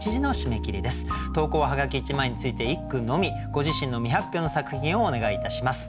ご自身の未発表の作品をお願いいたします。